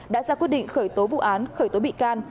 đã ra quyết định khởi tố vụ án khởi tố bị can